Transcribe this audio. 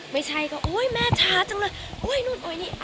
ไม่ใช่ก็โอ๊ยแม่ช้าจังเลยโอ๊ยนู่นโอ้ยนี่